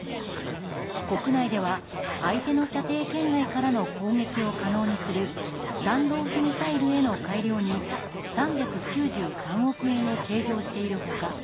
国内では相手の射程圏外からの攻撃を可能にするスタンド・オフ・ミサイルへの改良に３９３億円を計上している他